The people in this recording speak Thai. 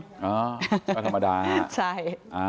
อ้าจังปรภัณฑ์ธรรมดาใช่